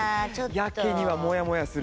「やけに」はもやもやする。